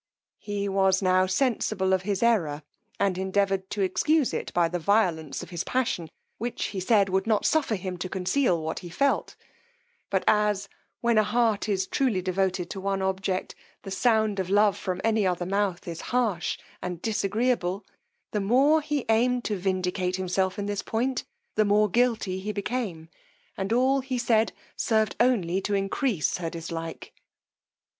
He was now sensible of his error, and endeavoured to excuse it by the violence of his passion, which he said would not suffer him to conceal what he felt; but as, when a heart is truly devoted to one object, the sound of love from any other mouth is harsh and disagreeable; the more he aimed to vindicate himself in this point the more guilty he became, and all he said served only to increase her dislike.